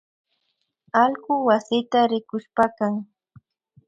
Allku wasita rikushpakan